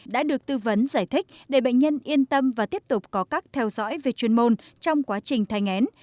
đã được tư vấn giải thích để bệnh nhân yên tâm và tiếp tục có các theo dõi về chuyên môn trong quá trình thay ngén